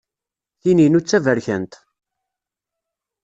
Tin-inu d taberkant!